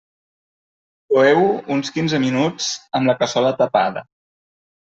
Coeu-ho uns quinze minuts amb la cassola tapada.